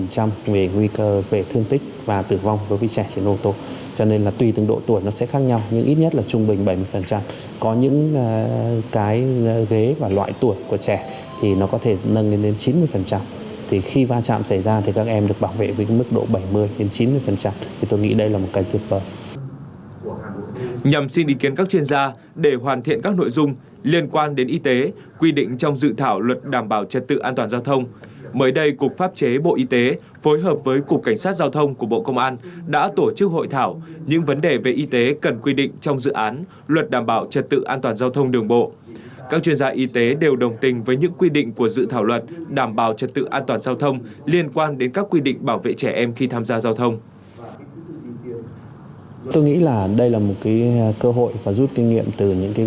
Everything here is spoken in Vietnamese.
các chuyên gia y tế đều đồng tình với những quy định bảo vệ trẻ em khi tham gia giao thông liên quan đến các quy định bảo vệ trẻ em khi tham gia giao thông